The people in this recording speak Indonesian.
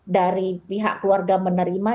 dari pihak keluarga menerima